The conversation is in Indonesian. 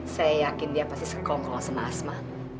saya yakin dia pasti sekong kalau sama asma